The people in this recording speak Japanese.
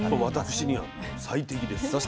私には最適です。